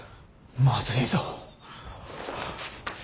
まずいぞ。